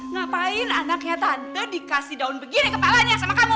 ngapain anaknya tante dikasih daun begini kepalanya sama kamu